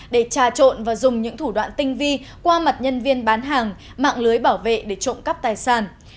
để trà trộn và dùng những thủ đoạn tinh vi qua mặt nhân viên bán hàng mạng lưới bảo vệ để trộm cắp tài sản